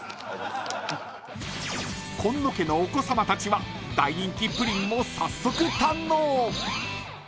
［今野家のお子さまたちは大人気プリンも早速堪能］